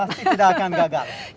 pasti tidak akan gagal